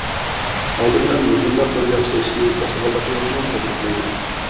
ئالدى بىلەن مۇشۇنداق بىر ياخشى بىر ئىشنى باشلىغانلىقىڭىزنى تەبرىكلەيمەن!